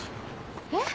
えっ？